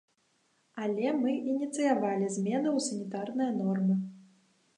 Але мы ініцыявалі змены ў санітарныя нормы.